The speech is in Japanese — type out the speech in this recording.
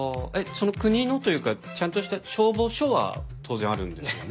その国のというかちゃんとした消防署は当然あるんですよね？